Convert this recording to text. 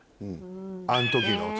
あの時の。